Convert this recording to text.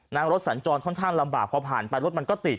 รถสัญจรค่อนข้างลำบากพอผ่านไปรถมันก็ติด